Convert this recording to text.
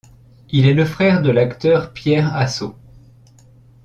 Il est le frère de l'acteur Pierre Asso.